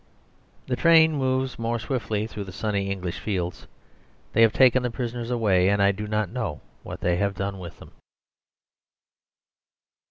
The train moves more swiftly through the sunny English fields. They have taken the prisoners away, and I do not know what they have done with them.